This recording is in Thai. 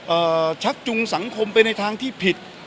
เอ่อชักจุงสังคมไปทางที่ผิด